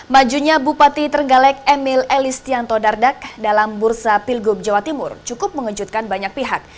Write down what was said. majunya bupati terenggalek emil elistianto dardak dalam bursa pilgub jawa timur cukup mengejutkan banyak pihak